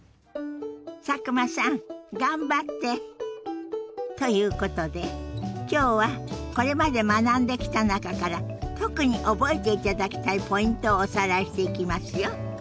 佐久間さん頑張って！ということで今日はこれまで学んできた中から特に覚えていただきたいポイントをおさらいしていきますよ。